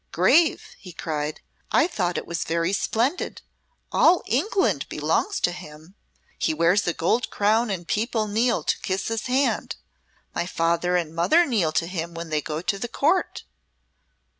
"Grave!" cried he; "I thought it was very splendid. All England belongs to him; he wears a gold crown and people kneel to kiss his hand. My father and mother kneel to him when they go to the Court."